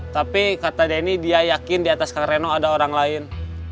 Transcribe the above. tapi kata denny dia yakin di atas kang reno ada orang lain